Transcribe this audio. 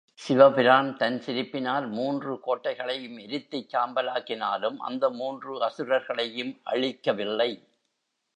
சிவபிரான் தன் சிரிப்பினால் மூன்று கோட்டைகளையும் எரித்துச் சாம்பலாக்கினாலும், அந்த மூன்று அசுரர்களையும் அழிக்கவில்லை.